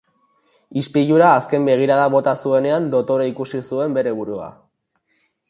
Ispilura azken begirada bota zuenean, dotore ikusi zuen bere burua.